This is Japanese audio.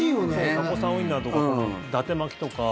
タコさんウインナーとかだて巻きとか。